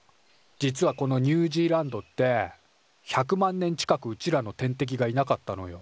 実はこのニュージーランドって１００万年近くうちらの天敵がいなかったのよ。